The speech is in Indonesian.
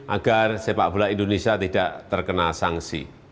agar sepak bola indonesia tidak terkena sanksi